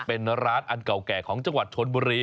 เป็นร้านอันเก่าแก่ของจังหวัดชนบุรี